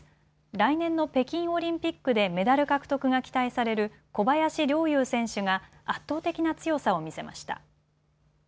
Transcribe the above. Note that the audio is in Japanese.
来年の北京オリンピックでメダル獲得が期待される小林陵侑選手が圧倒的な強さを見せました。